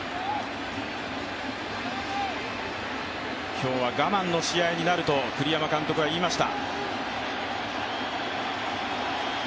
今日は我慢の試合になると栗山監督は言いました。